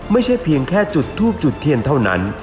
ไม่ใช่เพียงแค่จุดทูบจุดเทียนเท่านั้น